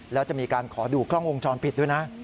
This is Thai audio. แล้วจะมีการขอดูกล้องวงจรปิดด้วยนะ